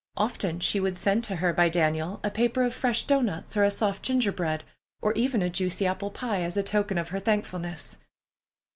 Often she would send to her by Daniel a paper of fresh doughnuts or a soft ginger bread, or even a juicy apple pie, as a token of her thankfulness.